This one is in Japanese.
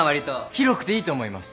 広くていいと思います。